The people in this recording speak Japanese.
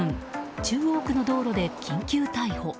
中央区の道路で緊急逮捕。